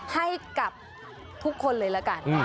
ให้กับทุกคนเลยละกัน